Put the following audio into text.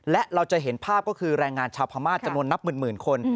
และเราจะเห็นภาพก็คือแรงงานชาวพม่าจำนวนนับหมื่นคน